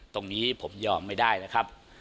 ตรงนี้ผมยอมไม่ได้นะครับ